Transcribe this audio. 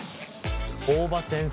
大場先生